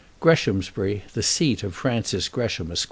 Greshamsbury, the seat of Francis Gresham, Esq.